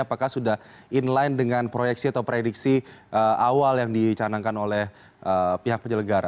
apakah sudah inline dengan proyeksi atau prediksi awal yang dicanangkan oleh pihak penyelenggara